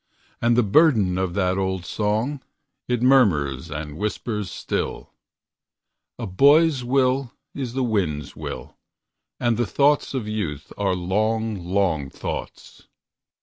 And the burden of that old song, It murmurs and whispers still: "A boy's will is the wind's will, And the thoughts of youth are long, long thoughts."